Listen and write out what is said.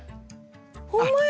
ほんまや。